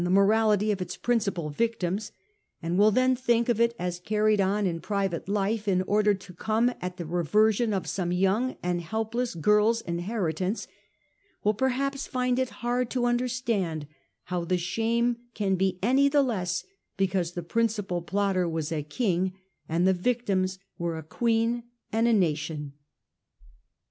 437 morality of its principal victims ; and will then think of it as carried on in private life in order to come at the reversion of some young and helpless girl's in heritance, will perhaps find it hard to understand how the shame can be any the less because the prin cipal plotter was a king, and the victims were a queeD and a nation.